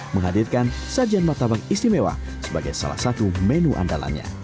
menghadirkan sajian martabak istimewa sebagai salah satu menu andalannya